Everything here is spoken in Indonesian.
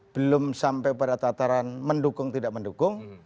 belum sampai pada tataran mendukung tidak mendukung